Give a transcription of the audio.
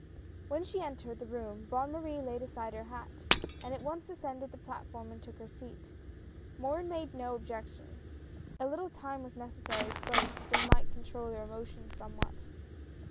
When she entered the room, Bonne Marie laid aside her hat, and at once ascended the platform and took her seat. Morin made no objection, a little time was necessary to both that they might control their emotions some what.